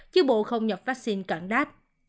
chứ bộ không nhập vaccine cẩn đát